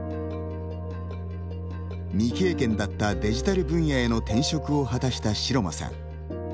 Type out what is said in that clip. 未経験だったデジタル分野への転職を果たした城間さん。